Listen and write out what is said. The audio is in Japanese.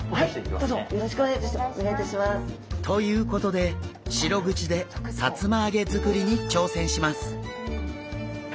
どうぞよろしくお願いいたします。ということでシログチでさつま揚げ作りに挑戦します！